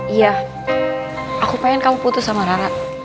iya aku pengen kamu putus sama nara